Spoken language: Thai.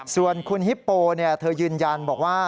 ส่วนคุณฮิปโปเธอยืนยันบอกว่า